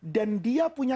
dan dia punya